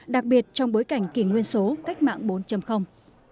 đặc biệt trong bối cảnh kỷ nguyên số cách mạng bốn